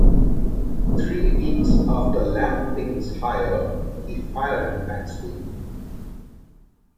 Three weeks after Lamping's hire, he fired Maxvill.